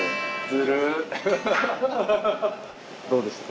どうでした？